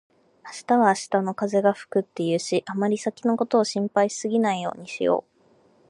「明日は明日の風が吹く」って言うし、あまり先のことを心配しすぎないようにしよう。